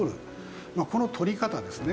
この撮り方ですね。